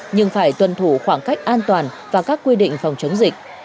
nhưng phải tuân thủ khoảng cách an toàn và các quy định phòng chống dịch